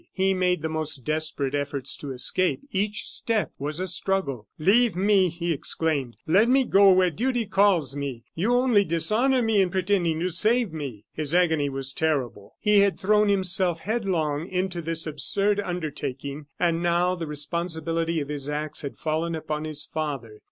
He made the most desperate efforts to escape; each step was a struggle. "Leave me!" he exclaimed; "let me go where duty calls me. You only dishonor me in pretending to save me." His agony was terrible. He had thrown himself headlong into this absurd undertaking, and now the responsibility of his acts had fallen upon his father.